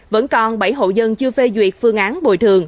vẫn còn bảy hộ dân chưa phê duyệt phương án bồi thường